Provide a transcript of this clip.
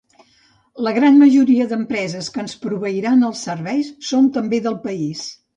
La gran majoria d'empreses que ens proveiran els serveis són també del país.